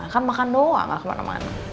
kan makan doang gak kemana kemarin